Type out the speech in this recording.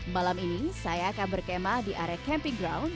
malam ini saya akan berkemah di area camping ground